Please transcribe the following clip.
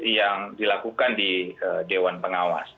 yang dilakukan di dewan pengawas